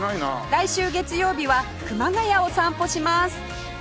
来週月曜日は熊谷を散歩します